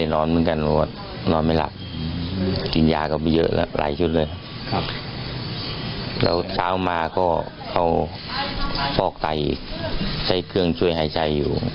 หรือว่าต้องมาใช้เครื่องช่วยหายใจอยู่